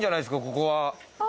ここは。